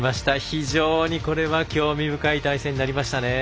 非常に、これは興味深い対戦になりましたね。